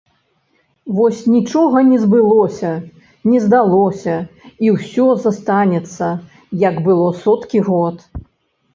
Вось нічога не збылося, не здалося, і ўсё застанецца, як было соткі год.